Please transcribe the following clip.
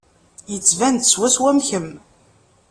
Yettban-d swaswa am kemm.